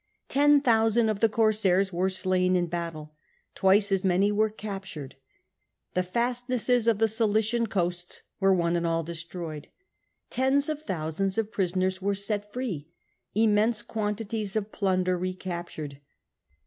Ten thousand of the corsairs were slain in battle ; twice as many were captured. The fast nesses of the Cilician coast were one and all destroyed. Tens of thousands of prisoners were set free ; immense quantities of plunder recaptured.